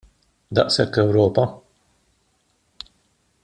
Daqshekk Ewropa!